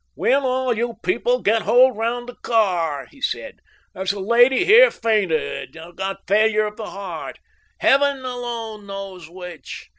"Will all you people get hold round the car?" he said. "There's a lady here fainted or got failure of the heart. Heaven alone knows which!